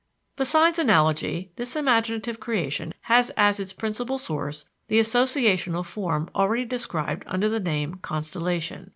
Besides analogy, this imaginative creation has as its principal source the associational form already described under the name "constellation."